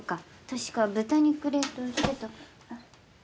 確か豚肉冷凍してたから。